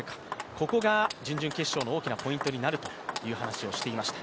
ここが準々決勝の大きなポイントになると離していました。